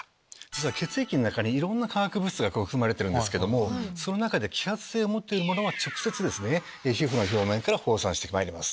血液の中にいろんな化学物質が含まれているんですけどその中で揮発性を持ってるものは直接皮膚の表面から放散してまいります。